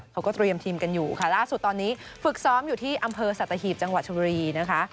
เขาก็เตรียมทีมกันอยู่ค่ะล่าสุดตอนนี้ฝึกซ้อมอยู่ที่อำเภอสัตหีบจังหวัดชมบุรีนะคะ